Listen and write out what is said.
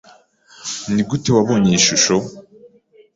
Nigute wabonye iyi shusho?